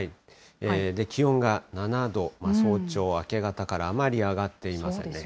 気温が７度、早朝、明け方からあまり上がっていません。